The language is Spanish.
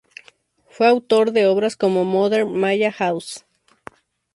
Fue autor de obras como "Modern Maya Houses.